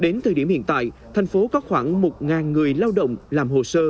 đến thời điểm hiện tại thành phố có khoảng một người lao động làm hồ sơ